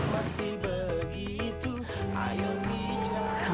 masih itu umur